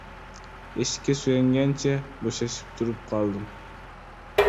Eshikka suyangancha bo‘shashib turib qoldim.